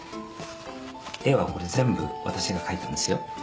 絵はこれ全部私が描いたんですよ。